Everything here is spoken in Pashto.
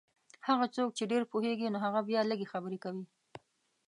هغه څوک چې ډېر پوهېږي نو هغه بیا لږې خبرې کوي.